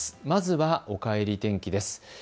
まずはおかえり天気です。